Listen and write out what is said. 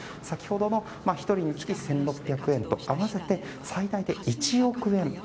先ほどの１人につき１６００円と合わせて最大で１億円